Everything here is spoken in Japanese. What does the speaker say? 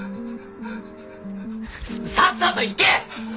さっさと行け！